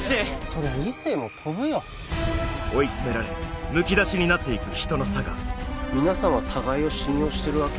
そりゃ理性も飛ぶよ追い詰められむき出しになっていく人の性皆さんは互いを信用してるわけ？